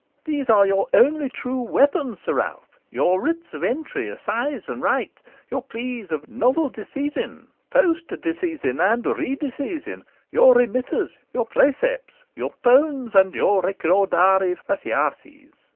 These are your only true weapons, Sir Ralph your writs of entry, assise, and right your pleas of novel disseisin, post disseisin, and re disseisin your remitters, your præcipes, your pones, and your recordari faciases.